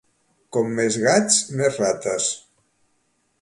Com més gats, més rates.